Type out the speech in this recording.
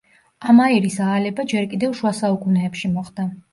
ამ აირის აალება ჯერ კიდევ შუა საუკუნეებში მოხდა.